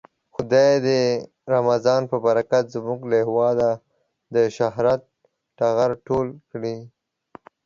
خدايه د دې رمضان په برکت زمونږ له هيواده د شهرت ټغر ټول کړې.